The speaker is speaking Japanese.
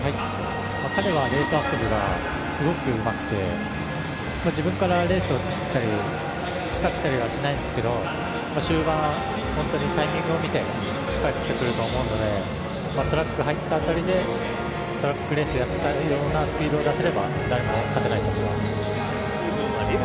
彼はレース運びがすごくうまくて自分からレースを作ったり、仕掛けたりはしないんですけど終盤、タイミングを見てしっかり出てくると思うのでトラック入った辺りでトラックレースを作れるようなスピードを出せれば、誰も手を出せないと思います。